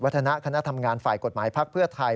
คณะคณะทำงานฝ่ายกฎหมายพักเพื่อไทย